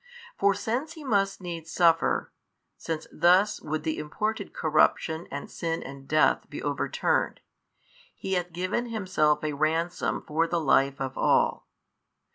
For since He must needs suffer (since thus would the imported corruption and sin and death be overturned), He hath given Himself a Ransom for the life of all.